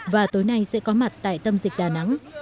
và tối nay sẽ có mặt tại tâm dịch đà nẵng